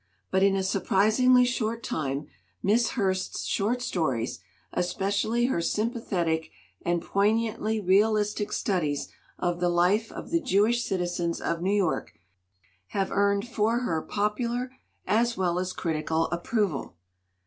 But in a surprisingly short time Miss Hurst's short stories, especially her sympathetic and poignantly real istic studies of the life of the Jewish citizens of New York, have earned for her popular as well as critical approval.